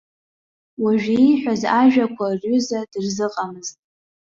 Уажәы ииҳәаз ажәақәа рҩыза дырзыҟамызт.